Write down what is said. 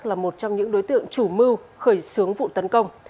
là một trong những đối tượng chủ mưu khởi xướng vụ tấn công